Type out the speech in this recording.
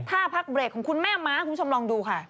ถ้าพักเบรกของคุณแม่ม้าคุณผู้ชมลองดูค่ะ